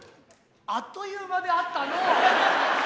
あっという間であったのう。